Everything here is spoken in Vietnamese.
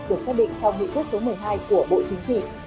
được xác định trong hị thức số một mươi hai của bộ chính trị